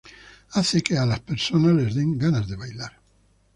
Hace que a las personas les den ganas de bailar.